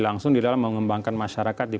langsung di dalam mengembangkan masyarakat di